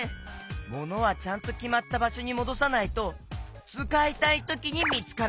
ものはちゃんときまったばしょにもどさないとつかいたいときにみつからない。